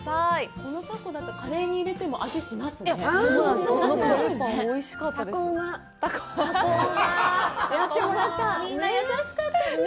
このタコだったら、カレーに入れても味しますね。